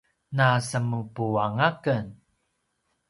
nasemupuanga aken